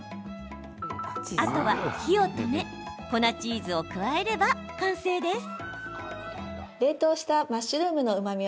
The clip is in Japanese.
あとは、火を止め粉チーズを加えれば完成です。